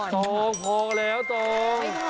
ตองพอแล้วตอง